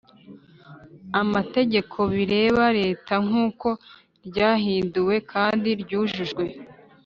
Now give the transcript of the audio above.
amategeko bireba Leta nk uko ryahinduwe kandi ryujujwe